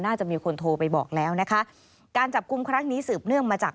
น่าจะมีคนโทรไปบอกแล้วนะคะการจับกลุ่มครั้งนี้สืบเนื่องมาจาก